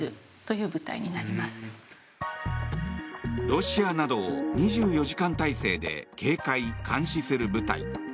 ロシアなどを２４時間体制で警戒・監視する部隊。